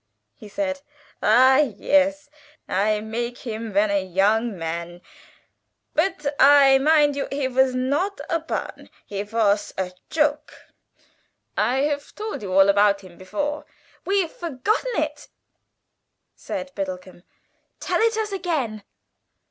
he said, "ah, yes, I make him when a yong man; but, mind you, he was not a pon he was a 'choke.' I haf told you all about him before." "We've forgotten it," said Biddlecomb: "tell it us again."